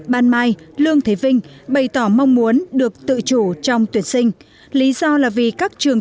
ban mai lương thế vinh bày tỏ mong muốn được tự chủ trong tuyển sinh lý do là vì các trường